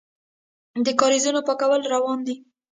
د کاریزونو پاکول روان دي؟